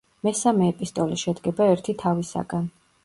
მესამე ეპისტოლე შედგება ერთი თავისაგან.